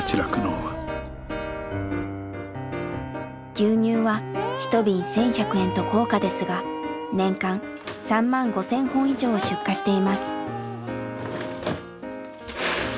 牛乳は一瓶１，１００円と高価ですが年間３万５，０００本以上を出荷しています。